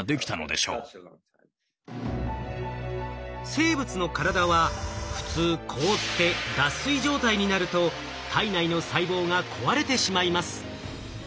生物の体は普通凍って脱水状態になると体内の細胞が壊れてしまいます。